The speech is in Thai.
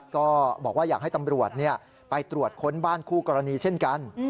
ก็บอกว่าอยากให้ตำรวจไปตรวจค้นบ้านคู่กรณีเช่นกัน